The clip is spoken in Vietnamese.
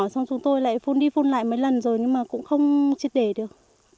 xong chúng tôi lại phun đi phun lại mấy lần rồi nhưng mà cũng không triệt để được